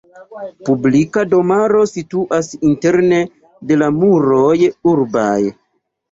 Publika domaro situas interne de la muroj urbaj.